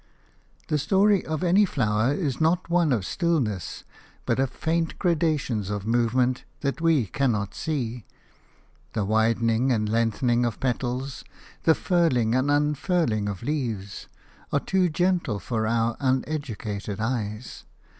The story of any flower is not one of stillness, but of faint gradations of movement that we cannot see. The widening and lengthening of petals, the furling and unfurling of leaves, are too gentle for our uneducated eyes.